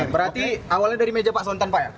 berarti awalnya dari meja pak sontan pak ya